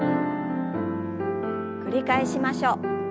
繰り返しましょう。